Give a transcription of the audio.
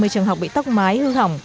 ba mươi trường học bị tóc mái hư hỏng